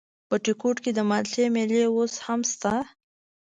بټي کوټ کې د مالټو مېلې اوس هم شته؟